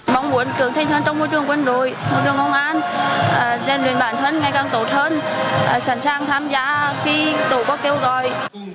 mong muốn cường thanh thân trong môi trường quân đội môi trường công an gian luyện bản thân ngày càng tốt hơn sẵn sàng tham gia khi tổ quốc kêu gọi